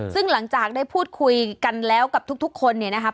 ซึ่งหลังจากได้พูดคุยกันแล้วกับทุกคนเนี่ยนะครับ